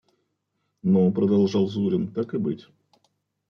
– Ну, – продолжал Зурин, – так и быть.